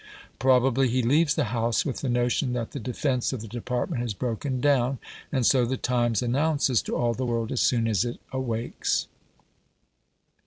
Probably he leaves the House with the notion that the defence of the department has broken down, and so the Times announces to all the world as soon as it awakes.